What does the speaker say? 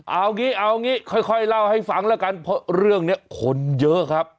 เอางี้เอางี้ค่อยเล่าให้ฟังแล้วกันเพราะเรื่องนี้คนเยอะครับ